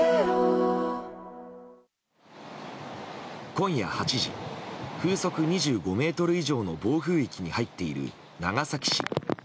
今夜８時風速２５メートル以上の暴風域に入っている長崎市。